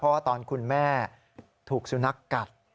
เพราะว่าตอนคุณแม่ถูกสุนัขกัด